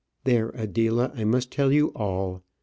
There, Adela, I must tell you all.